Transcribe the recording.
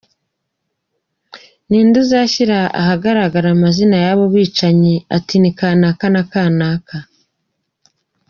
– Ni nde uzashyira ahagaragara amazina y’abo bicanyi, ati ni kanaka na kananka,